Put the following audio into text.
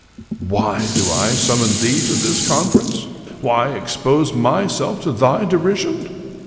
"Why do I summon thee to this conference? Why ex pose myself to thy derision?